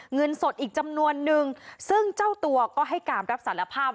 เงินสดอีกจำนวนนึงซึ่งเจ้าตัวก็ให้การรับสารภาพ